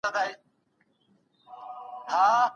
ښوونکي زموږ پاڼه وړاندي کړې ده.